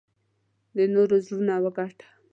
د نورو زړونه وګټه .